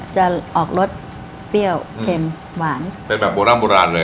จะออกรสเปรี้ยวเค็มหวานเป็นแบบโบร่ำโบราณเลย